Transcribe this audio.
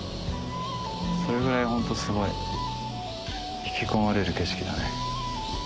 それぐらいホントすごい引き込まれる景色だね。